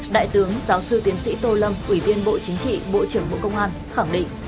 đại tướng giáo sư tiến sĩ tô lâm ủy viên bộ chính trị bộ trưởng bộ công an khẳng định